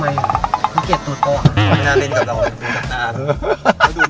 ไม่น่าเล่นกับเราใช้ตั๋นตาม